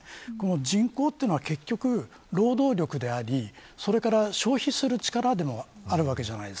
人口というのは結局労働力であり消費する力でもあるわけです。